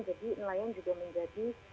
jadi nelayan juga menjadi